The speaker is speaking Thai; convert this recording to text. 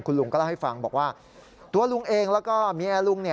ลุงก็เล่าให้ฟังบอกว่าตัวลุงเองแล้วก็เมียลุง